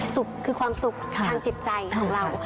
สุขคือความสุขทางจิตใจของเรา